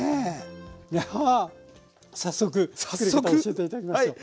いや早速作り方を教えて頂きましょう。